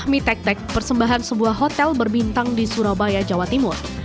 mie tek tek persembahan sebuah hotel berbintang di surabaya jawa timur